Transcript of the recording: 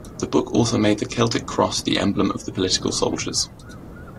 The book also made the Celtic Cross the emblem of the Political Soldiers.